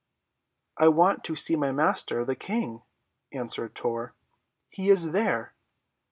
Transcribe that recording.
"I want to see my Master, the King," answered Tor. "He is there."